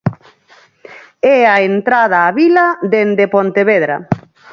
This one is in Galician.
É a entrada á vila dende Pontevedra.